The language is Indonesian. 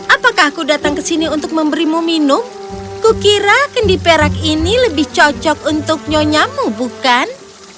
apakah aku datang ke sini untuk memberimu minum kukira kendi perak ini lebih cocok untuk nyonyamu bukan